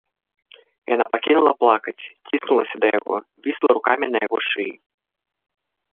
Яна пакінула плакаць, ціснулася да яго, вісла рукамі на яго шыі.